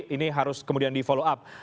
ini harus kemudian di follow up